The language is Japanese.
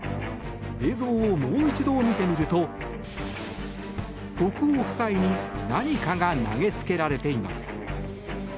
映像をもう一度見てみると国王夫妻に何かが投げつけられています。